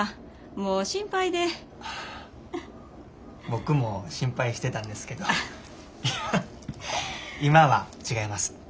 僕も心配してたんですけど今は違います。